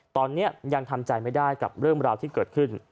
ตอนนี้ยังทำใจไม่ได้กับเรื่องราวที่เกิดขึ้น